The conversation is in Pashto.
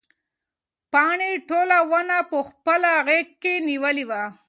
پاڼې ټوله ونه په خپله غېږ کې نیولې وه.